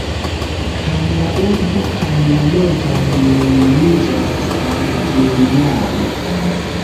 Kaj la urbo kaj la montoj nun nomiĝas San Giuliano.